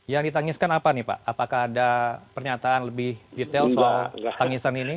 yang ditangiskan apa nih pak apakah ada pernyataan lebih detail soal tangisan ini